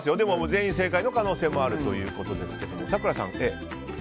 全員正解の可能性もあるということですけど。